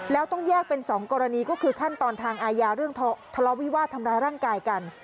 แล้วต้องแยกเป็น๒กรณีก็คือขั้นตอนทางอาญาเรื่องทะเลาะวิวาสทำร้ายร่างกายกัน